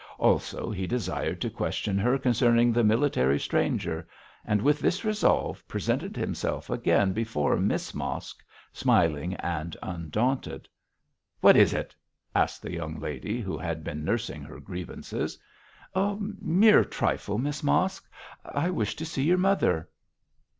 Also he desired to question her concerning the military stranger; and with this resolve presented himself again before Miss Mosk, smiling and undaunted. 'What is it?' asked the young lady, who had been nursing her grievances. 'A mere trifle, Miss Mosk; I wish to see your mother.'